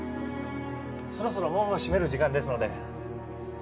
そろそろ門を閉める時間ですので。